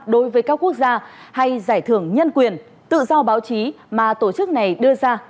đối với các quốc gia hay giải thưởng nhân quyền tự do báo chí mà tổ chức này đưa ra